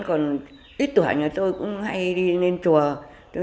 đừng để khi tôi còn ít tuổi nhà mình tôi cũng hay đi lên chùa thì một